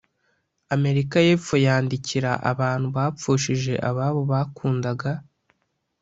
Amerika y Epfo yandikira abantu bapfushije ababo bakundaga